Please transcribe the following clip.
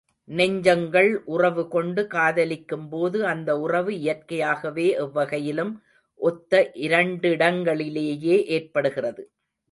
நெஞ்சங்கள் உறவுகொண்டு காதலிக்கும்போது அந்த உறவு இயற்கையாகவே எவ்வகையிலும் ஒத்த இரண்டிடங்களிலேயே ஏற்படுகிறது.